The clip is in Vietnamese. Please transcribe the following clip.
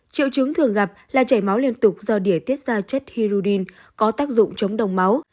triệu chứng thường gặp là chảy máu liên tục do đỉa tiết ra chất hirudin có tác dụng chống đông máu